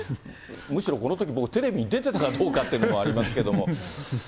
むしろこのとき僕、テレビに出てたかどうかというのもありますけれども。